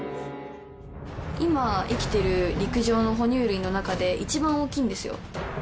今生きてる陸上の哺乳類の中で一番大きいんですよ。